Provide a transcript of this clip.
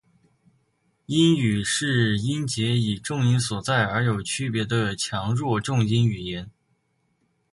英语是音节以重音所在而有区别的强弱重音语言。